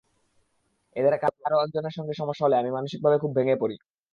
এদের কারও একজনের সঙ্গে সমস্যা হলে আমি মানসিকভাবে খুব ভেঙে পড়ি।